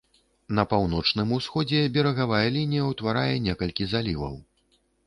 На паўночным усходзе берагавая лінія ўтварае некалькі заліваў.